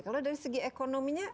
kalau dari segi ekonominya